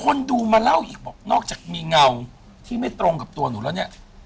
คนดูมาเล่าอีกบอกนอกจากมีเงาที่ไม่ตรงกับตัวหนูแล้วเนี่ย